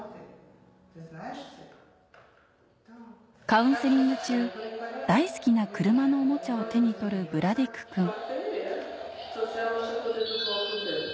カウンセリング中大好きな車のおもちゃを手に取るブラディクくん